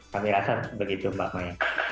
kami rasa begitu mbak maya